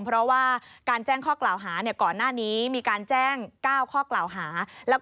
เพราะว่าการแจ้งข้อกล่าวหาก่อนหน้านี้มีการแจ้ง๙ข้อกล่าวหา